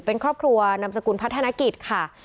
เป็นครอบครัวนามสกุลพัฒนกิจค่ะ